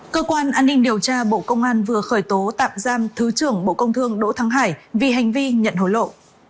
cơ quan an ninh điều tra bộ công an vừa khởi tố tạm giam thứ trưởng bộ công thương đỗ thắng hải vì hành vi nhận hối lộ